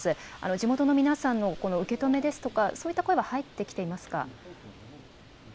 地元の皆さんのこの受け止めですとか、そういった声は入ってきていますか？